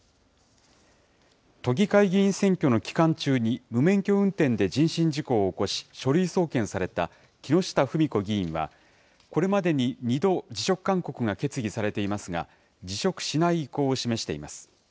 都議会議員選挙の期間中に無免許運転で人身事故を起こし、書類送検された木下富美子議員は、これまでに２度、辞職勧告が決議されていますが、辞職しない意向を示しています。